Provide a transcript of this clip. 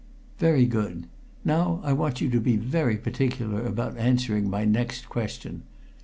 "Very good. Now I want you to be very particular about answering my next question.